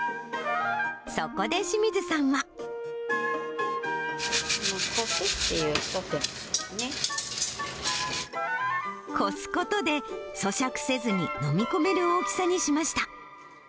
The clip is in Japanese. そこで志水さんは。こすことで、そしゃくせずに飲み込める大きさにしました。